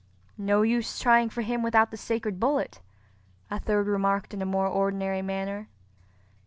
"No use trying for him without the sacred bullet," a third remarked in a more ordinary manner.